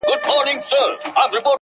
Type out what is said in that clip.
o يار تر کوڅه تېر که، رنگ ئې هېر که.